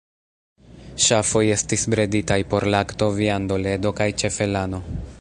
Ŝafoj estis breditaj por lakto, viando, ledo kaj ĉefe lano.